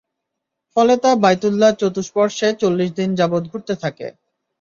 ফলে তা বায়তুল্লাহর চতুষ্পর্শ্বে চল্লিশ দিন যাবত ঘুরতে থাকে।